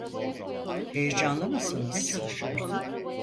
Heyecanlı mısınız?